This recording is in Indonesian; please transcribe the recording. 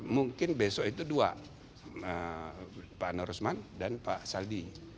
mungkin besok itu dua pak nur usman dan pak saldi